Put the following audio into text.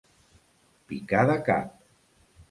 Picar de cap.